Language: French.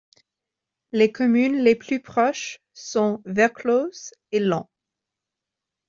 Les communes les plus proches sont Verclause et Lemps.